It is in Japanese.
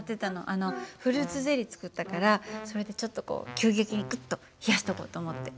あのフルーツゼリー作ったからそれでちょっとこう急激にクッと冷やしとこうと思って。